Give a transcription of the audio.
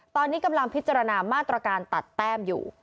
ตอนนี้กำลังพิจารณามาตรการตัดแต้มอยู่